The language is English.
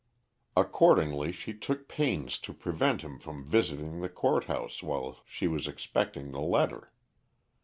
Accordingly she took pains to prevent him from visiting the Court House while she was expecting the letter.